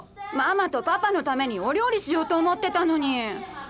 ママとパパのためにお料理しようと思ってたのに。